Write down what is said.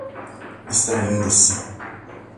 extraindo-se